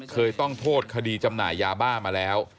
เคยต้องโทษคดีจำหน่ายยาบ้ามาแล้ว